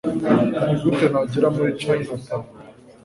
nigute nagera muri chinatown